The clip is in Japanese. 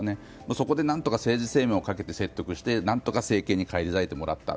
そこで何とか政治生命をかけて説得して何とか政権に返り咲いてもらった。